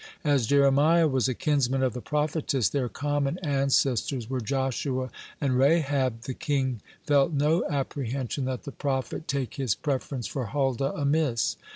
As Jeremiah was a kinsman of the prophetess their common ancestors were Joshua and Rahab the king felt no apprehension that the prophet take his preference for Huldah amiss.